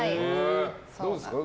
どうですか？